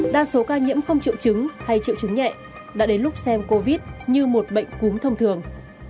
đa số ca nhiễm không triệu chứng hay triệu chứng nhẹ đã đến lúc xem covid như một bệnh cúm thông thường